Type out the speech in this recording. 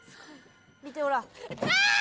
見てほら。